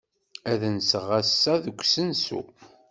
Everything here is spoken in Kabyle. Ad nseɣ ass-a deg usensu.